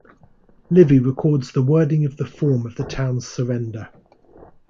Livy records the wording of the form of the town's surrender.